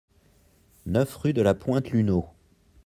neuf rue de la Pointe Luneau